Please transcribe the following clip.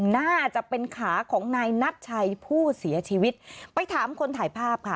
น่าจะเป็นขาของนายนัทชัยผู้เสียชีวิตไปถามคนถ่ายภาพค่ะ